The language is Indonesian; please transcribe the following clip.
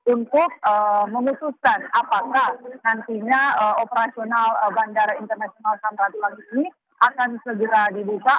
untuk memutuskan apakah nantinya operasional bandara internasional samratulangi ini akan segera dibuka